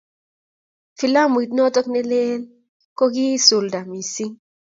Filamuit notok lel ko kie sulda mising